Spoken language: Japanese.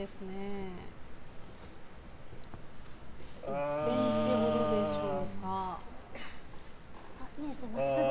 １ｃｍほどでしょうか。